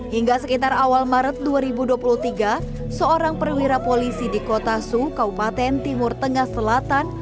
hingga sekitar awal maret dua ribu dua puluh tiga seorang perwira polisi di kota su kaupaten timur tengah selatan